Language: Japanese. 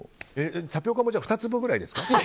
タピオカも２粒くらいですか？